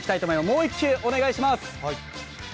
もう１球お願いします。